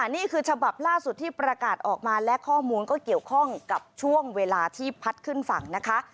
นี่คือฉบับล่าสุดที่ประกาศออกมาและข้อมูลก็เกี่ยวข้องกับช่วงเวลาที่พัดขึ้นฝั่งนะคะ